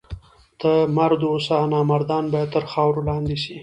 ته مرد اوسه! نامردان باید تر خاورو لاندي سي.